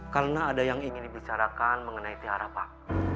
karena ada yang ingin dibicarakan mengenai tiara pak